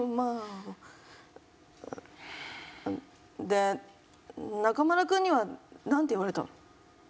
でナカムラ君にはなんて言われたの？